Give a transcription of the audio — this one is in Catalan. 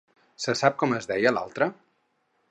Se sap com es deia l'altra?